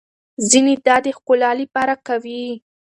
ځينې دا د ښکلا لپاره کوي.